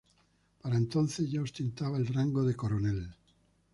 Para entonces ya ostentaba el rango de coronel.